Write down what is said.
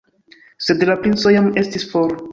Sed la princo jam estis for.